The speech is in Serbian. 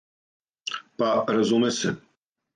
Па, разуме се!